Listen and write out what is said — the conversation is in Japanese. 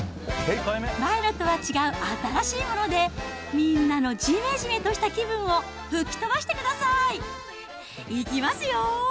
前のとは違う新しいもので、みんなのじめじめとした気分を吹き飛ばしてください。いきますよ。